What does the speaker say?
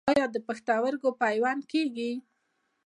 آیا د پښتورګو پیوند کیږي؟